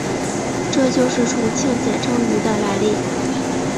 这就是重庆简称渝的来历。